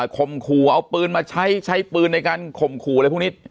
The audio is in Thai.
คมขู่เอาปืนมาใช้ใช้ปืนในการข่มขู่อะไรพวกนี้